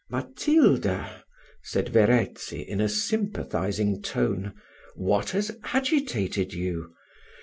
"Matilda," said Verezzi, in a sympathising tone, "what has agitated you?